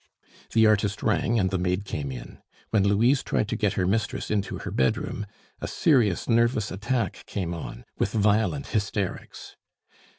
The artist rang, and the maid came in. When Louise tried to get her mistress into her bedroom, a serious nervous attack came on, with violent hysterics.